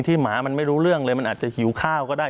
หมามันไม่รู้เรื่องเลยมันอาจจะหิวข้าวก็ได้